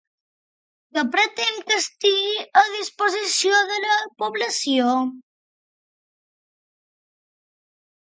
Què pretenen que estigui a disposició de la població?